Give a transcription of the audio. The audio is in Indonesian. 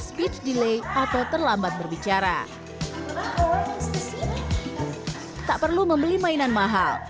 speech delay atau terlambat berbicara tak perlu membeli mainan mahal